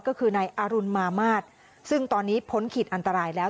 ก็คือนายอรุณมามาตรซึ่งตอนนี้พ้นขีดอันตรายแล้ว